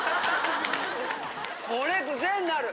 これクセになる！